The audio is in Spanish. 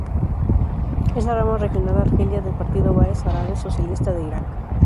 Es la rama regional argelina del Partido Baaz Árabe Socialista de Irak.